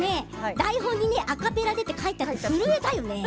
台本にアカペラって書いてあって震えたよね。